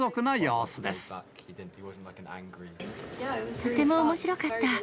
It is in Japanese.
とてもおもしろかった。